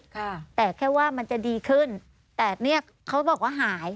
ค่ะแต่แค่ว่ามันจะดีขึ้นแต่เนี้ยเขาบอกว่าหาย